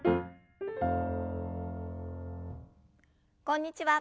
こんにちは。